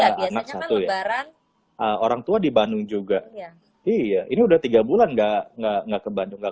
anak satu ya orang tua di bandung juga iya ini udah tiga bulan enggak enggak enggak ke bandung nggak